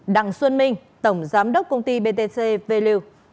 đặng xuân minh tổng giám đốc công ty btc value